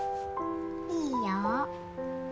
いいよ。